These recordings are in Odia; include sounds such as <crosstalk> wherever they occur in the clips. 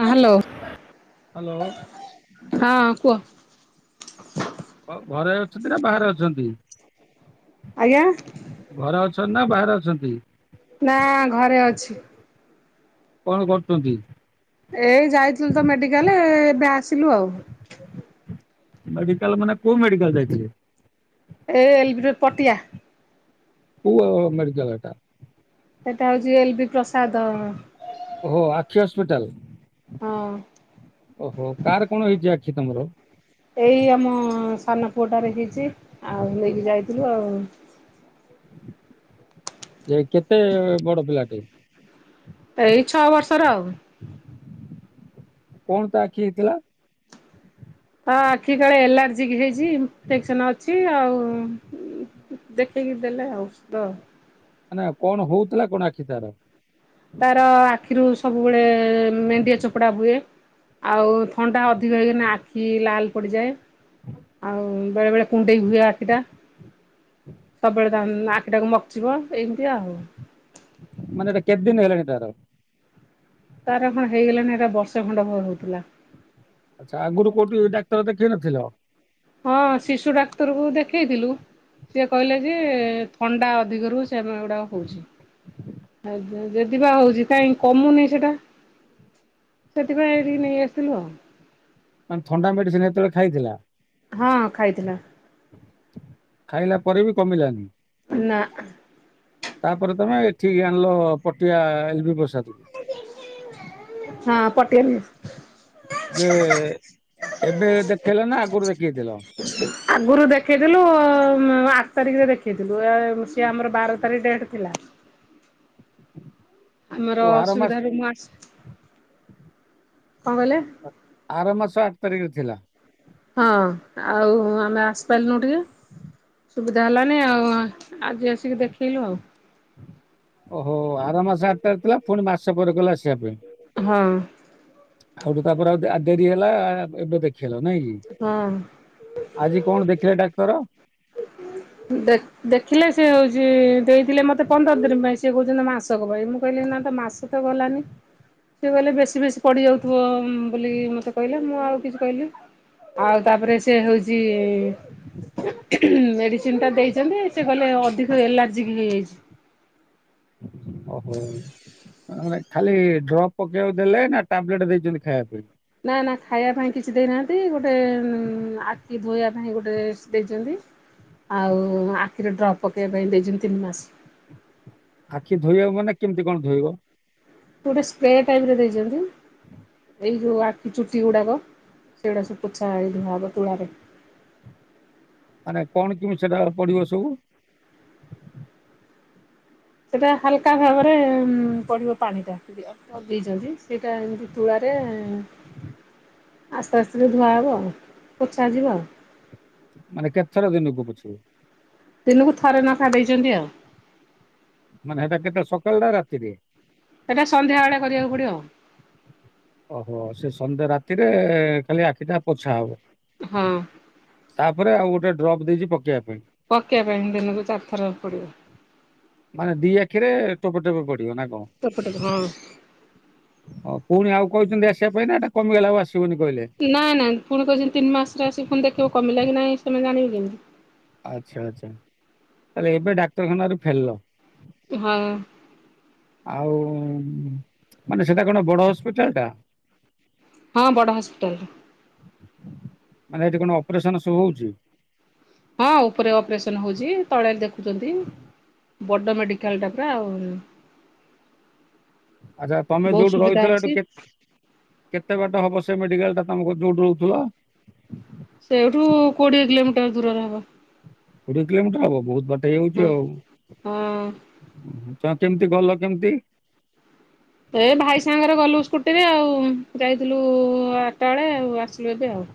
ହଁ ହାଲୋ ହ୍ୟାଲୋ ହଁ କୁହ । ଘ- ଘରେ ଅଛନ୍ତି ନା ବାହାରେ ଅଛନ୍ତି? ଆଜ୍ଞା। ଛନା ବାହାରେ ଅଛନ୍ତି? ନା ଘରେ ଅଛି। କଣ କରୁଛନ୍ତି? ଏଇ ଯାଇଥିଲୁ ତ ମେଡିକାଲ ଏବେ ଆସିଲୁ ଆଉ। ମେଡିକାଲ ମାନେ କୋଉ ମେଡିକାଲ ଯାଇଥିଲେ? A L B Patia. କୁଅ ମେଡ଼ିକାଲ୍ ଏଟା? ସେଟା ହଉଛି ଏଲ ବି ପ୍ରସାଦ ଓ ହୋ ଆଖି ହସ୍ପିଟାଲ। ହଁ। ଓହୋ କାର କଣ ହେଇଛି ଆ ଇଛି ତମର ଏଇ ଆମ ସାନ ପୁଅଟାରେ ହେଇଛି ଆଉ ନେଇକି ଯାଇଥିଲୁ ଆଉ। ଏ କେତେ ବଡ଼ ପିଲାଟି? ଏଇ ଛଅ ବର୍ଷର ଆଉ। କଣ ତା ଆଖି ହେଇଥିଲା? ତା ଆଖି କାଳେ ଆଲାର୍ଜିିକ ହେଇଛି ଇନଫେକ୍ସନ ଅଛି ଆଉ ଦେଖେଇକି ଦେଲେ ଔଷଧ। ମାନେ କଣ ହଉଥିଲା କଣ ଆଖି ତାର? ତାର ଆଖିରୁ ସବୁବେଳେ ଅ ମେଣ୍ଡିିଆ ଚପଡ଼ା ହୁଏ। ଆଉ ଥଣ୍ଡା ଅଧିକ ହେଇଗଲେ ଆଖି ଲାଲ ପଡ଼ିଯାଏ। ଆଉ ବେଳେ ବେଳେ କୁଣ୍ଡେଇ ହୁଏ ଆଖିଟା। ସବୁବେଳେ ଆମ୍ ଆଖିଟାକୁ ମକଚିବ ଏମିତି ଆଉ। ମାନେ ଏଇଟା କେତଦିନ ହେଲେଣିି ତାର? ତାର ହଁ ହେଇଗଲାଣିି ଏରା ବର୍ଷେ ଖଣ୍ଡ ହବ ହଉଥିଲା। ଆଛା ଆଗରୁ କୋଉଠି ଡାକ୍ତର ଦେଖେଇ ନଥିଲ? ହଁ ଶିଶୁ ଡାକ୍ତରଙ୍କୁ ଦେଖେଇଥିଲୁ ସେ କହିଲେ ଯେ ଥଣ୍ଡା ଅଧିକ ରୁ ସେମ୍ ଉଡ଼ାଣ ହଉଛି ଆ ଯଦିବା ହଉଛି କାହିଁ କମୁନି ସେଇଟା ସେଥିପାଇଁ ଏଠିକି ନେଇ ଆସିଥିଲୁ ଆଉ। ମାନେ ଥଣ୍ଡା ମେଡ଼ିସିନ୍ ହେତେବେଳେ ଖାଇଥିଲା? ହଁ ଖାଇଥିଲା। ଖାଇଲା ପରେ ବି କମିଲାନି। ନା। ତାପରେ ତମେ ଏଠିକି ଆଣିଲ ପଟିଆ ଏଲ ବି ବସି ହଁ <unintelligible> ପଟିଆ ଯେ ଏବେ ଦେଖେଇଲ ନା ଆଗରୁ ଦେଖିେଇଥିଲ? ଆଗରୁ ଦେଖେଇଥିଲୁ ଉ ମା ତାରିଖରେ ଦେଖେଇଥିଲୁ ଏ ଆମର ବାର ତାରିଖ ଡେଟ ଥିଲା। ଆମର ଓ ଆର ମାସ ଅସୁବିଧା ରୁ ମୁ ଆସି କଣ କହିଲେ? ଆର ମାସ ଆଠ ତାରିଖରେ ଥିଲା। ହଁ ଆଉ ଆମେ ଆସିପାରିନୁ ଟିକେ ସୁବିଧା ହେଲାନି ଆଉ ଆଜି ଆସିକି ଦେଖେଇଲୁ ଆଉ। <inaudible> ଓହୋ ଆର ମାସ ଆଠଟାରେ ଥିଲା। ପୁଣି ମାସ ପରେ କହିଲେ ଆସି ହଁ। ହଁ ତାପରେ ଡେରିହେଲା ଏବେ ଦେଖ ହଁ <unintelligible> ଆଜି କଣ ଦେଖିଲେ ଡାକ୍ତର? ଦେଖିଲେ ସେ ହଉଛି ଦେଇଥିଲେ ମତେ ପନ୍ଦର ଦିନ ପାଇଁ। ସିଏ କହୁଛନ୍ତି ମାସକ ପାଇଁ ମୁଁ କହିଲି ନା ତ ମାସ ତ ଗଲାନି। ସିଏ କହିଲେ ବେଶୀ ବେଶୀ ପଡ଼ିଯାଉଥିବ ବୋଲି ମୋତେ କହିଲେ ମୁଁ ଆଉ କିଛି କହିଲି। ଆଉ ତାପରେ ସେ ହଉଛି ମେଡିସିନଟା ଦେଇଛନ୍ତି। ସେ କହିଲ ଅଧିକ ଏଲାର୍ଜି ହେଇଯାଇଛି। ଓହୋ ମାନେ ଖାଲି ଡ୍ରପ୍ ପକେଇବାକୁ ଦେଲେ ନା ଟାବଲେଟ ଦେଇଛନ୍ତି ଖାଇବା ପାଇଁ। ନା ନା ଖାଇବା ପାଇଁ କିଛି ଦେଇନାହାନ୍ତି। ଗୋଟେ ଆଖି ଧୋଇବା ପାଇଁ ଗୋଟେ ଦେଇଛନ୍ତି। ଆଉ ଆଖିରେ ଡ୍ରପ୍ ପକେଇବା ପାଇଁ ଦେଇଛନ୍ତି ତିନି ମାସ। ଆଖି ଧୋଇବାକୁ ମାନେ କେମିତି କଣ ଧୋଇବ। ଗୋଟେ ସ୍ପ୍ରେ ଟାଇପରେ ଦେଇଛନ୍ତି। ଏଇ ଯୋଉ ଆଖି ଚୁଟି ଗୁଡାକ ସେଗୁଡା ସବ ପୋଛାଇ ଧୁଆହବ ତୁଳାରେ। <inaudible> ମାନେ କଣ କେମିତି ସେଟା ପଡିବ ସବୁ। <inaudible> ସେଟା ହାଲକା ଭାବରେ ପଡିବ ପାଣିଟା ଦେଇଚନ୍ତି। ସେଇଟା ଏମତି ତୁଳାରେ <inaudible> ଆସ୍ତେ ଆସ୍ତେ ଧୁଆ ହବ ପୋଛା ଯିବ। ମାନେ କେତେ ଥର ଦିନକୁ ପୋଛିବୁ। ଦିନକୁ ଥରେ ନଖା ଦେଇଚନ୍ତି ଆଉ ମାନେ ସେଟା କେତେ ସକାଳଟା ରାତିରେ? ସେଇଟା ସନ୍ଧ୍ୟା ବେଳେ କରିବାକୁ ପଡିବ। ଓହୋ ସେ ସନ୍ଧ୍ୟା ରାତିରେ ଖାଲି ଆଖିଟା ପୋଛା ହବ। ହଉ ପରେ ଆଉ ଗୋଟେ ଡ୍ରପ୍ ଦେଇଚି ପକେଇବା ପାଇଁ। ପକେଇବା ପାଇଁ ଦିନକୁ ଚାରିଥର ପଡିବ। <inaudible> ମାନେ ଦି ଆଖିରେ ଟୋପେ ଟୋପେ ପ ପିଅ ନା କଣ ହଁ। <inaudible> ହଉ ପୁଣି ଆଉ କହୁଛନ୍ତି ଆସିବା ପାଇଁ ଏଟା କମଗଲା ଆଉ ଆସ ନାଇଁ ନାଇଁ ପୁଣି କହିଛନ୍ତି। ତିନି ମାସ୍ ରେ ଆସିକି ଦେଖିବାକୁ କମିଲା କି ନାଇଁ ତମେ ଜାଣିବେ କେମିତି? ଆଚ୍ଛା ଆଚ୍ଛା ତାହଲେ ଏବେ ଡାକ୍ତରଖାନା ରୁ ଫେରିଲ। ହଁ ଆଉ ମାନେ ସେଟା କଣ ବଡ ହସ୍ପିଟାଲ ଟା? ହଁ ବଡ଼ ହସ୍ପିଟାଲ୍ ଟା <inaudible> ମାନେ ଏଠି କଣ ଅପରେସନ ସବୁ ହଉଚି। ହଁ ଉପରେ ଅପରେସନ ହଉଛି ତଳେ ଦେଖୁଛନ୍ତି ବଡ ମେଡିକାଲ ଟା ପରା ଆଉ <inaudible> ଆଚ୍ଛା ତମେ ବହୁତ ଯୋଉଠୁ ସୁବିଧା ରହିଥିଲ ଏଠୁ ଅଛି କେତେ କେତେ ବାଟ ହବ? ସେ ମେଡିକାଲ ଟା ତମ <unintelligible> ରହୁଥିଲା। ସେଉଠୁ କୋଡିଏ କିଲୋମିଟର ଦୂରରେ ହବ। କୋଡିଏ କିଲୋମିର ହବ ବହୁତ ବା ସେଇ ହଉଛି ହଁ। ଆଉ ହଁ। ତମେ କେମିତି ଗଲ କେମିତି? ଏ ଭାଇ ସାଙ୍ଗରେ ଗଲୁ ସ୍କୁଟିରେ ଆଉ ଯାଇଥିଲୁ ଆଟା ବେଳେ ଆଉ ଆସିଲୁ ଏବେ ଆଉ।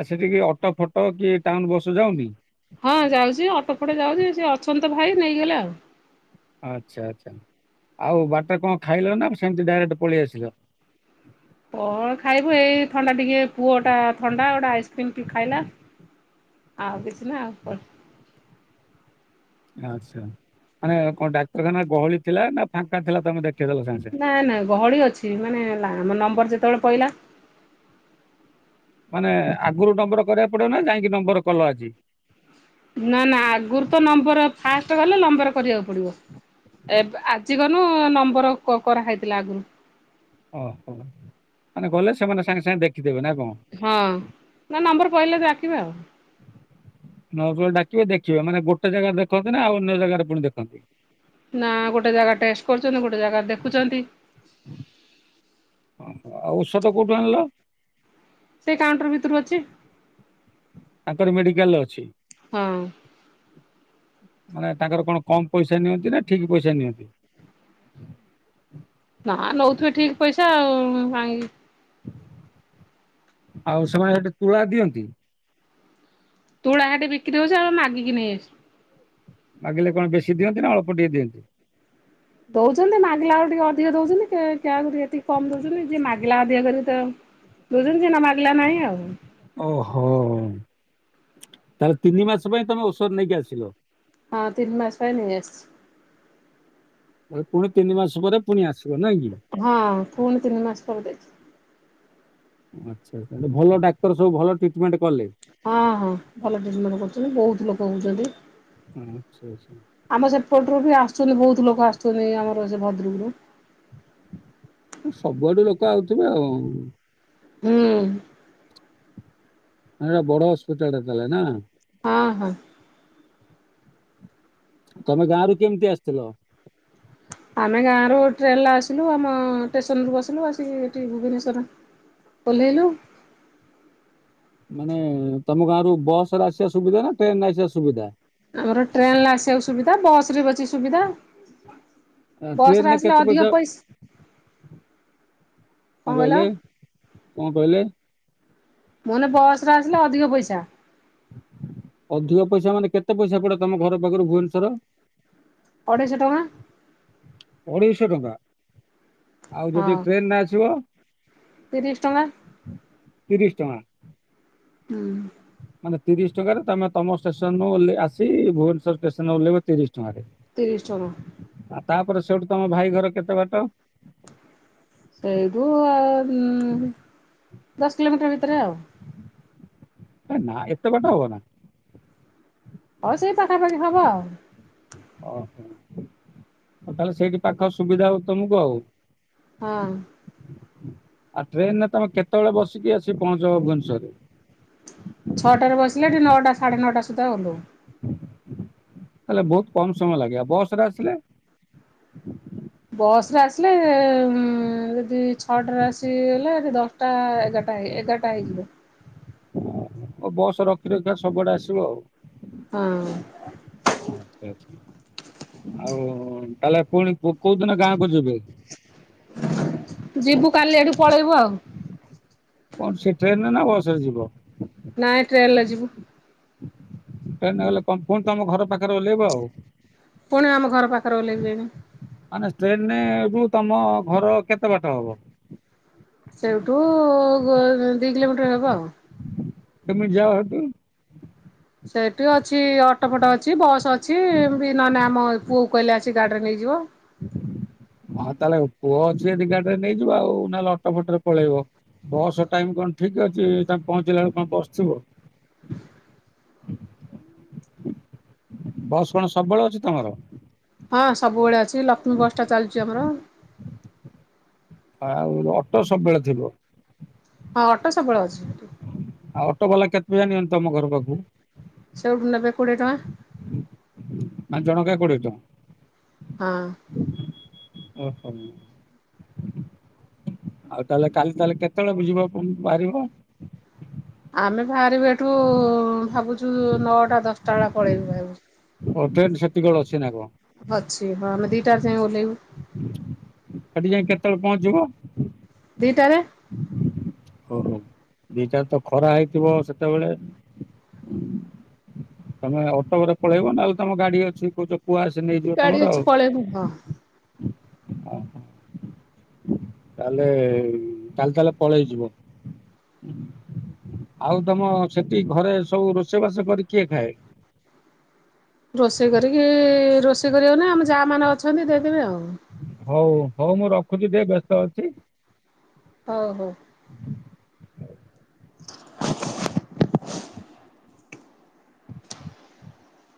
ଆଉ ସେଠିକି ଅଟୋ ଫଟୋ କି ଟାଉନ୍ ବସ ଯାଉନି? ହଁ ଯାଉଚି ଅଟୋ ଫଟୋ ଯାଉଛି ସେ ଅଛନ୍ତି ତ ଭାଇ ନେଇଗଲେ ଆଉ। ଆଚ୍ଛା ଆଚ୍ଛା ଆଉ ବାଟ କଣ ଖାଇଲ ନା ସେମତି ଡାଇରେକ୍ଟ ପଳେଇ ଆସିଲ? କଣ ଖାଇବୁ ଏଇ ଥଣ୍ଡା ଟିକେ ପୁଅଟା ଥଣ୍ଡା ଗୋଟେ ଆଇସ୍କ୍ରିମ ଟି ଖାଇଲା ଆଉ କିଛି। <unintelligible> ଆଚ୍ଛା ମାନେ କଣ ଡାକ୍ତରଖାନା ଗହଳି ଥିଲା ନା ଫାଙ୍କା ଥିଲା ତମେ ଦେଖ ନାଇଁ ନାଇଁ ଗହଳି ଅଛି ମାନେ ଆମ ନମ୍ବର ଯେ ତଳେ ପଇଲା। ମାନେ ଆଗରୁ ନମ୍ବର କରିବାକୁ ପଡିବ ନା ଯାଇକି ନମ୍ବର କଲ ଆଜି? ନା ନା ଆଗରୁ ତ ନମ୍ବର ଫାଷ୍ଟ ଗଲେ ନମ୍ବର କରିବାକୁ ପଡିବ ଏବେ ଆଜି ଗଲୁ ନମ୍ବର କରାହେଇଥିଲା ଆଗରୁ ଓହୋ ମାନେ ଗଲେ ସେମାନେ ସାଙ୍ଗେ ସାଙ୍ଗେ ଦେଖି ହଁ ନା ନମ୍ବର କହିଲେ ଡାକିବା ଆଉ ନଗଲେ ଡାକିବେ ଦେଖିବେ ମାନେ ଗୋଟେ ଜାଗାରେ ଦେଖନ୍ତି ନା ଆଉ ଅନ୍ୟ ଜାଗାରେ ପୁଣି ଦେଖନ୍ତି। ନା ଗୋଟେ ଜାଗା ଟେଷ୍ଟ କରୁଛନ୍ତି ଗୋଟେ ଜାଗାରେ ଦେଖୁଛନ୍ତି। ସେଟା କୋଉଠୁ ଆଣିଲ? ସେ କାଉଣ୍ଟର ଭିତରୁ ଅଛି। ତାଙ୍କରି ମେଡିକାଲରେ ଅଛି। ହଁ। ମାନେ ତାଙ୍କର କଣ କମ ପଇସା ନିଅନ୍ତି ନା ଠିକ ପଇସା ନିଅନ୍ତି। ନା ନଉଥିବେ ଠିକ ପଇସା ଆଉ କାହିଁକି ଆଉ ସେମାନେ ସେଠି ତୁଳା ଦିଅନ୍ତି? ତୁଳା ହେଠି ବିକି ହଉଛି ଆମେ ମାଗିକି ନେଇ ଆସିଲୁ। ମାଗିଲେ କଣ ବେଶି ଦିଅନ୍ତି ନା ଅଳ୍ପ ଟିକେ ଦିଅନ୍ତି? ଦଉଛନ୍ତି ମାଗିଲେ ଆଉ ଟିକେ ଅଧିକ ଦଉଛନ୍ତି କିଏ କାହାକୁ ଟିକେଏତିକି କମ୍ ଦଉଛନ୍ତି ଯିଏ ମାଗି ପିଲା ଅଧିକ କରି ତ ଦଉଛନ୍ତି ଯିଏ ନମାଗିଲା ନାଇ ଆଉ। ଓହୋ ତାହେଲେ ତିନି ମାସ ପାଇଁ ତମେ ଔଷଧ ନେଇକି ଆସିଲ। ହଁ ତିନି ମାସ ପାଇଁ ନେଇ ଆସିଛି। ପୁଣି ତିନି ମାସ ପରେ ପୁଣି ଆସି ହଁ ପୁଣି ତିନି ମାସ ପରେ ଦେଇଛି। ଆଛା ତାହେଲେ ଭଲ ଡାକ୍ତର ସବୁ ଭଲ ଟ୍ରି ହଁ ହଁ ଭଲ ଟ୍ରିଟମେଣ୍ଟ କରୁଛନ୍ତି ବହୁତ ଲୋକ ରହୁଛନ୍ତି। ଆଚ୍ଛା ଆଚ୍ଛା। ଆମ ସେପଟରୁ ବି ଆସୁଛନ୍ତି ବହୁତ ଲୋକ ଆସୁଛନ୍ତି ଆମର ର ଭଦ୍ରକୁରୁ। ସବୁଆଡୁ ଲୋକ ଆଉଥିବେ ଆଉ। ହୁଁ। ଏଟା ବଡ ହସ୍ପିଟାଲ ଟା ନା। ହଁ ହଁ। ତମେ ଗାଁ ରୁ କେମିତି ଆସିଥିଲ? <inaudible> ଆମେ ଗାଁ ରୁ ଟ୍ରେନ ରେ ଆସିଲୁ ଆମ ଷ୍ଟେସନରୁୁ ବସିଲୁ ଆସିକି ଏଠି ଭୁବନେଶ୍ଵର ଓହ୍ଲେଇଲୁ। ମାନେ ତମ ଗାଁରୁ ବସ ରେ ଆସିବା ସୁବିଧା ନା ଟ୍ରେନରେ ଆସିବା ସୁବିଧା? ଆମର ଟ୍ରେନରେ ଆସିବାକୁ ସୁବିଧା ବସ ରେ ବି ଅଛି ସୁବିଧା। ଆ, ବସରେ ଟ୍ରେନରେ ଆସିଲେ କେତେ ଅଧିକ ପଇସା ପଇସ୍ କଣ କହିଲ? କଣ କହିଲେ? ମୋନେ ବସରେ ଆସିଲେ ଅଧିକ ପଇସା। ଅଧିକ ପଇସା ମାନେ କେତେ ପଇସା ପଡେ ତମ ଘର ପାଖରୁ ଭୁବନେଶ୍ଵର? ଅଢ଼େଇଶ ଟଙ୍କା। ଅଢେଇଶ ଟଙ୍କା। ଆଉ ଯଦି ହଁ ଟ୍ରେନ ରେ ଆସିବ? ତିରିଶ ଟଙ୍କା। ତିରିଶ ଟଙ୍କା। ହୁଁ। ମାନେ ତିରିଶ ଟଙ୍କାରେ ତମେ ତମ ଷ୍ଟେସନରୁ ଓଲହେ ଆସି ଭୁବନେଶ୍ୱର ଷ୍ଟେସନେ ଓଲ୍ହେଇବ ତିରିଶ ଟଙ୍କାରେ। ତିରିଶ ଟଙ୍କା। ଆଉ ତାପରେ ସେଉଠୁ ତମ ଭାଇ ଘର କେତେ ବାଟ? <inaudible> ସେଇଠୁ ଆଉ ହୁଁ କିଲୋମିଟର ଭିତରେ ଆଉ ନା ଏତେ ବାଟ ହବ ନା। ହଉ ସେଇ ପାଖାପାଖି ହବ ଆଉ ଓହୋ ଉ ତାହେଲେ ସେଇଠି ପାଖ ସୁବିଧା ହଉ ତମକୁ ଆଉ ହଁ ଆଉ ଟ୍ରେନ୍ ରେ ତମେ କେତେବେଳେ ବସିକି ଆସିିକି ପହଞ୍ଚ ଭୁବନେଶ୍ଵରରେ? ଛଅଟାରେ ବସିଲେ ଏଠି ନଅଟା ସାଢେ ନଅଟା ସୁଦ୍ଧା ଓଲ୍ହୋଉ। ତାହଲେ ବହୁତ୍ କମ ସମୟ ଲାଗେ ବସ୍ ରେ ଆସିଲେ। <inaudible> ବସ୍ ରେ ଆସିଲେ ଯଦି ଛଅଟାରେ ଆସିଲେ ଦଶ୍ ଟା ଏଗାର୍ ଟା ହେଇ ଏଗାର୍ ଟା ହେଇଯିବ। ଆଉ ବସ ରଖି ରଖିକା ସବୁଆଡେ ଆସିବ ଆଉ ହଁ ଆଚ୍ଛା ଆଉ ତାହେଲେ ପୁଣି ପୁଅ କଉଦିନ ଗାଁ କୁ ଯିବେ? <inaudible> ଯିବୁ କାଲି ଆଡୁକୁ ପଳେଇବୁ ଆଉ କଣ ସେଇ ଟ୍ରେନ୍ ରେ ନା ବସ୍ ରେ ଯିବ? ନାଇଁ ଟ୍ରେନଲେ ଯିବୁ। ଟ୍ରେନ ରେ ଗଲେ ଫୁନି ତମ ଘର ପାଖରେ ଓହ୍ଲେଇବ ଆଉ। ପୁଣି ଆମ ଘର ପାଖରେ ଓହ୍ଲେଇବି ଯାଇକି। ମାନେ ଟ୍ରେନ୍ ନେ ହେଉଠୁ ତମ ଘର କେତେ ବାଟ ହବ? ସେଇଠୁ <unintelligible> ଦି କିଲୋମିଟର୍ ହବ ଆଉ ତମେ ଯାଅ ହେଠି ସେଇଠି ଅଛି ଅଟୋ ଫଟୋ ଅଛି ବସ୍ ଅଛି ଵି ନହନେ ଆମ ପୁଅ କୁ କହିଲେ ଆସି ଗାଡ଼ିରେ ନେଇଯିବ। ହଁ ତାହେଲେ ପୁଅ ଅଛି ଯଦି ଗାଡ଼ିରେ ନେଇଯିବ ଆଉ ନହେଲେ ଅଟୋ ଫଟୋରେ ପଳେଇବ ବସ୍ ଟାଇମ୍ କଣ ଠିକ ଅଛି ତାଙ୍କେ ପହଞ୍ଚିଲା ବେଳକୁ କଣ ବସ୍ ଥିବ? <inaudible> ବସ୍ କଣ ସବୁବେଳେ ଅଛି ତମର? ହଁ ସବୁବେଳେ ଅଛି। ସେ ଲକ୍ଷ୍ମୀ ବସ୍ ଟା ଚାଲିଛି ଆମର। ଆଉ ଅଟୋ ସବୁବେଳେ ଥିବ। ହଁ ଅଟୋ ସବବେଳେ ଅଛି ସେଠି। ଆଉ ଅଟୋବାଲା କେତ୍ ପଇସା ନିଅନ୍ତି ତମ ଘର ପାଖକୁ? ସେଇଠୁ ନେବେ କୋଡ଼ିଏ ଟଙ୍କା ମାନେ ଜଣକା କୋଡିଏ ଟଙ୍କା। ହଁ। ଓହୋ ଆଉ ତାହେଲେ କାଲି ତାହାଲେ କେତେବେଳେ ବୁଲି ବାକୁ ବାହାରିବ? ଆମେ ବାହାରିବୁ ଏଠୁ ଭାବୁଚୁ ନଅଟା ଦଶ୍ଟା ବେଳେ ପଳେଇବୁ ଭାବିଚୁ। ଓ ଟ୍ରେନ୍ ସେତିକି ବଳେ ଅଛି ନା କଣ? ଅଛି ହଁ ଆମେ ଦି ଟାରେ ଯାଇଁ ଓହ୍ଲେଇବୁ। ସେଠି ଯାଇ କେତେବେଳେ ପହଞ୍ଚିବ? ଦିଟାରେ ହ ଦିଟାରେ ତ ଖରା ହେଇଥିବ ସେତେବେଳେ? ତମେ ଅଟୋରେ ପଳେଇବ ନା ଆଉ ତମ ଗାଡି ଅଛି କଉଚ ଗାଡି ଅଛି ପଳେଇବୁ ହଁ। ଓହୋ ତାହାଲେ ତାହଲେ ପଳେଇ ଯିବ ଆଉ ତମ ସେଠି ଘରେ ସବୁ ରୋଷେଇବାସ କରି କିଏ ଖାଏ? ରୋଷେଇ କରିକି ର ରୋଷେଇ କରିବନା ଆମ ଯା ମାନେ ଅଛନ୍ତି ଦେଇଦେବେ ଆଉ। ହଉ ହଉ ମୁଁ ରଖୁଛି ଟିକେ ବ୍ୟସ୍ତ ଅଛି। ହଉ ହଉ। <inaudible> <inaudible>